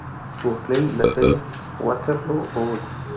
Burley la serie "Waterloo Road".